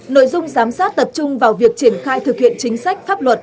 nội dung giám sát tập trung vào việc triển khai thực hiện chính sách pháp luật